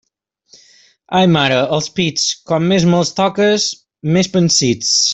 Ai, mare, els pits, com més me'ls toques més pansits.